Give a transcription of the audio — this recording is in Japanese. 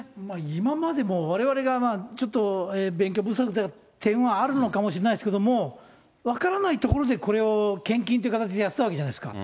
今までも、われわれがちょっと勉強不足な点はあるのかもしれないですけれども、分からないところでこれを献金という形でやってたわけじゃないですか。